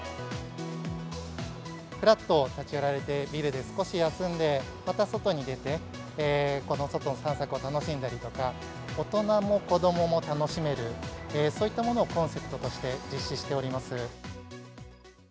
ふらっと立ち寄られて、ビルで少し休んで、また外に出て、この外の散策を楽しんだりとか、大人も子どもも楽しめる、そういったものをコンセプトとして実施しております。